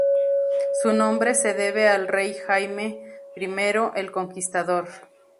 Su nombre se debe al rey Jaime I el Conquistador.